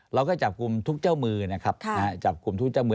เราก็จับกลุ่มทุกเจ้ามือนะครับจับกลุ่มทุกเจ้ามือ